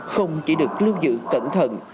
không chỉ được lưu giữ cẩn thận